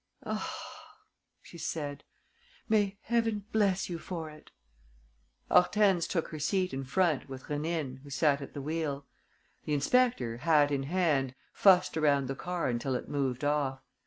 "Ah!" she said. "May Heaven bless you for it!" Hortense took her seat in front, with Rénine, who sat at the wheel. The inspector, hat in hand, fussed around the car until it moved off.